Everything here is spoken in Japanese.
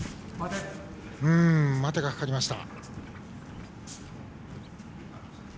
待てがかかりました。